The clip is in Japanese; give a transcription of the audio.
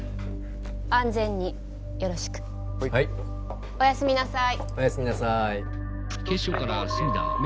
安全によろしくはいおやすみなさい